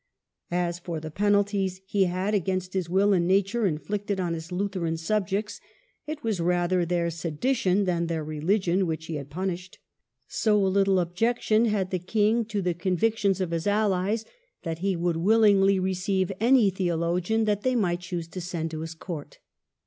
As for the penalties he had, against his will and nature, inflicted on his Lutheran subjects, it was rather their sedi tion than their religion which he had punished. So little objection had the King to the convic THE SORBONNE, 155 tions of his allies, that he would willingly receive any theologian that they might choose to send to his Court.